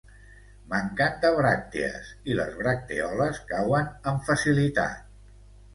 Manquen de bràctees i les bractèoles cauen amb facilitat.